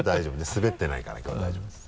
スベってないからきょうは大丈夫です。